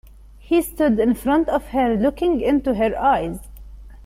He stood in front of her, looking into her eyes.